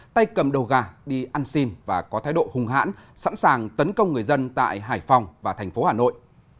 tay cầm đầu gà đi ăn xin và có thái độ hung hãn sẵn sàng tấn công người dân tại hải phòng và thành phố hà nội